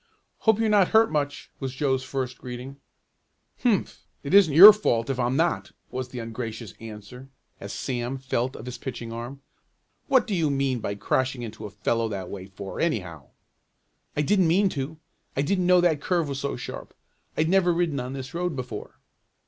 "Hope you're not hurt much!" was Joe's first greeting. "Humph! It isn't your fault if I'm not," was the ungracious answer, as Sam felt of his pitching arm. "What do you mean by crashing into a fellow that way for, anyhow?" "I didn't mean to. I didn't know that curve was so sharp. I'd never ridden on this road before."